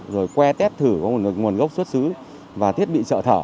rồi que tét thử có nguồn gốc xuất xứ và thiết bị sợ thở